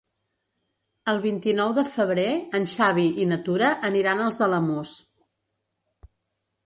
El vint-i-nou de febrer en Xavi i na Tura aniran als Alamús.